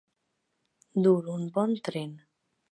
Dur un bon tren.